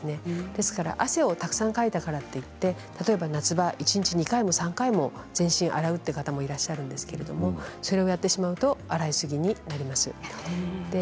ですから汗をたくさんかいたからといって、例えば夏場一日２回も３回も全身を洗うという方もいらっしゃるんですけれどもそれをやってしまうと洗いすぎになります。